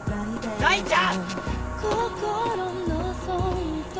大ちゃん！